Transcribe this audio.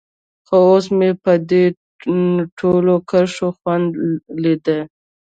خو اوس مې په دې ټولو کښې خوند ليده.